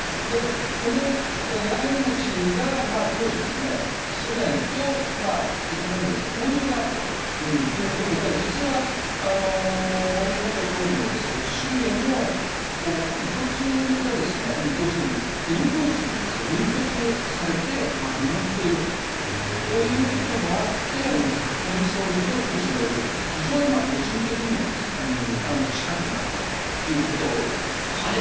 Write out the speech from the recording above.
この根上町が当時のソ連と非常に交流があったということで実は、森元総理の御父上の遺骨が要するにイルクーツクに分骨されて眠っているということもあって森総理とプーチン大統領は非常に個人的にも近くなったということだと思うんですよね。